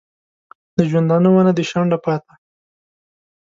د ژوندانه ونه دي شنډه پاته